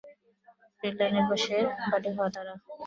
রেললাইনের পাশে বাড়ি হওয়ায় তাঁরা ভালো করেই জানেন, কখন কোন ট্রেন আসে-যায়।